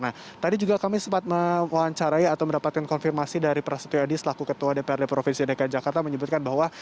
nah tadi juga kami sempat mewawancarai atau mendapatkan konfirmasi dari prasetyo adi selaku ketua dprd provinsi dki jakarta menyebutkan bahwa